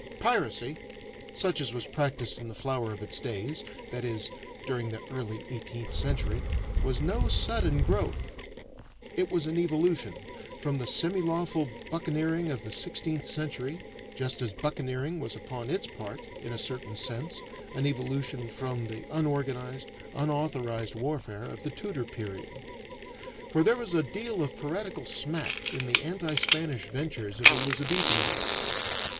Piracy, such as was practiced in the flower of its days that is, during the early eighteenth century was no sudden growth. It was an evolution, from the semilawful buccaneering of the sixteenth century, just as buccaneering was upon its part, in a certain sense, an evolution from the unorganized, unauthorized warfare of the Tudor period. For there was a deal of piratical smack in the anti Spanish ventures of Elizabethan days.